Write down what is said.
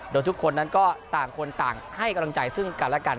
โดยทุกคนนั้นก็ต่างคนต่างให้กำลังใจซึ่งกันและกัน